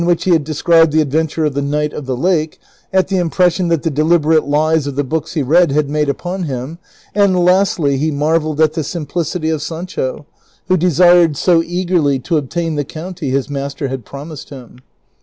427 the way in whicli lie had described the adventure of the kni<,dit of the Like, at the impression that the deliberate lies of the books he read had made upon him, and lastly he marvelled at the simplicity of Sancho, who desired so eagerly to obtain the county his master had promised him.